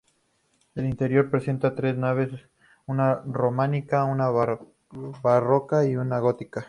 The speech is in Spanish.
El interior presenta tres naves: una románica, una barroca y una gótica.